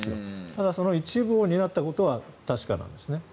ただ、その一部を担ったことは確かなんですね。